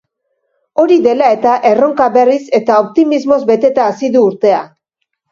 Hori dela eta, erronka berriz eta optimismoz beteta hasi du urtea.